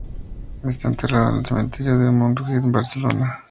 Está enterrado en el cementerio de Montjuïc de Barcelona.